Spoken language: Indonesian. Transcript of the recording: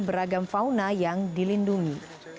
beragam fauna yang dilindungi